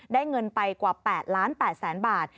เงินไปกว่า๘๘๐๐๐บาท